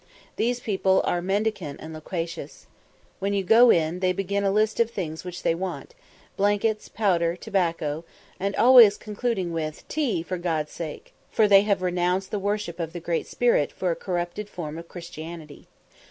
These people are mendicant and loquacious. When you go in, they begin a list of things which they want blankets, powder, tobacco, &c. always concluding with, "Tea, for God's sake!" for they have renounced the worship of the Great Spirit for a corrupted form of Christianity.